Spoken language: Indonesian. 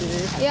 jadi ada airnya